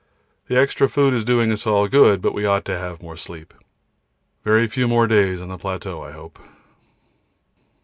The extra food is doing us all good, but we ought to have more sleep. Very few more days on the plateau I hope.